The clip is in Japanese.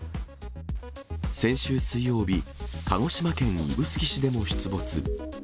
先週水曜日、鹿児島県指宿市でも出没。